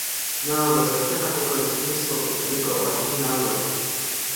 Nelze se však kategoricky vyslovit ani pro opačný názor.